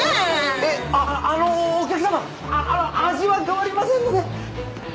えっあっあのお客様味は変わりませんので！